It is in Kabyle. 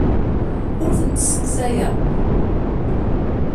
Ur tent-sseqsayeɣ.